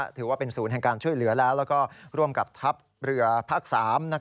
ถือว่าเป็นศูนย์แห่งการช่วยเหลือแล้วแล้วก็ร่วมกับทัพเรือภาค๓